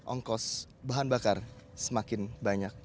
ongkos bahan bakar semakin banyak